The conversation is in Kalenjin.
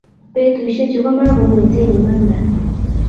petushechu ko makomitei imanda